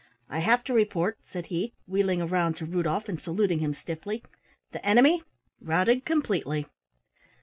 "I have to report," said he, wheeling around to Rudolf and saluting him stiffly "the enemy routed completely!"